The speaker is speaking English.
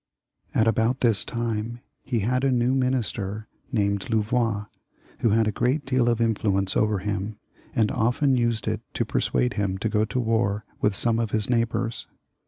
At about this time he had a new minister named Lou vois, who had a great deal of influence over the king, and often used it to persuade him to go to war with some of his neighbours.